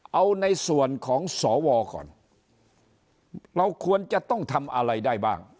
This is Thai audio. เอาในส่วนของสวก่อนเราควรจะต้องทำอะไรได้บ้าง